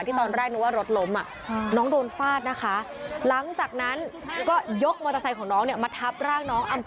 ตอนแรกนึกว่ารถล้มน้องโดนฟาดนะคะหลังจากนั้นก็ยกมอเตอร์ไซค์ของน้องเนี่ยมาทับร่างน้อง